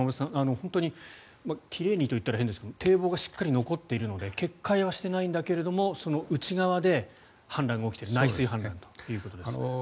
本当に奇麗にと言ったら変ですけど堤防がしっかり残っているので決壊はしていないんだけれどもその内側で氾濫が起きている内水氾濫ということですね。